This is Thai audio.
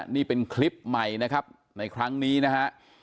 นี่เป็นคลิปใหม่นะครับในครั้งนี้นะฮะ